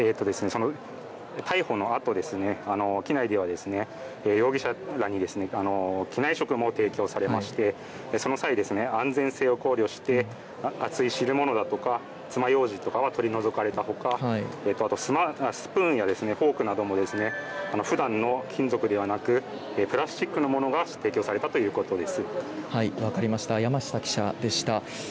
逮捕のあと機内では容疑者らに機内食も提供されましてその際、安全性を考慮して熱い汁物だとか、つまようじなどが取り除かれたほかスプーンやフォークなどもふだんの金属ではなくプラスチックのものが提供されたということです。